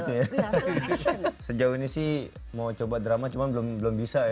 gitu ya sejauh ini sih mau coba drama cuman belum bisa ya